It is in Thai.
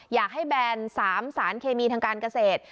แบน๓สารเคมีทางการเกษตร